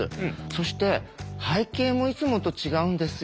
そして背景もいつもと違うんですよ。